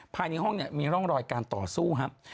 ภายในห้องเนี่ยมีร่องรอยการต่อสู้ครับ